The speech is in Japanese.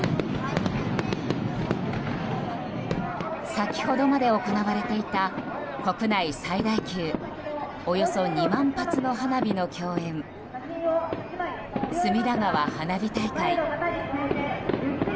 先ほどまで行われていた国内最大級およそ２万発の花火の競演隅田川花火大会。